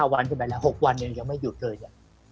๕วันจนแบบนั้น๖วันยังไม่หยุดเลยอะ